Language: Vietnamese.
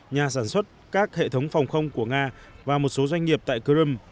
nhà sản xuất các hệ thống phòng không của nga và một số doanh nghiệp tại crimea